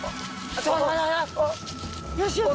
よしよし。